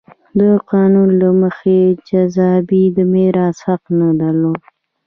د قانون له مخې جذامي د میراث حق نه درلود.